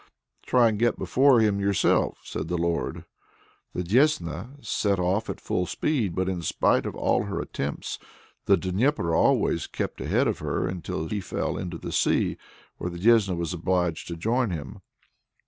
"Try and get before him yourself," said the Lord. The Desna set off at full speed, but in spite of all her attempts, the Dnieper always kept ahead of her until he fell into the sea, where the Desna was obliged to join him.